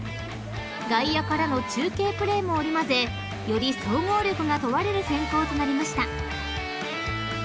［外野からの中継プレーも織り交ぜより総合力が問われる選考となりました］